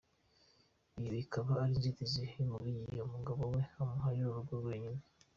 Iyo ikaba ari inzitizi ku mugore igihe umugabo we amuharira urugo wenyine.